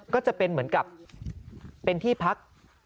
ก็จะเป็นเหมือนกับเป็นที่พัก